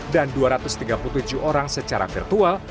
dan dua ratus tiga puluh tujuh orang secara virtual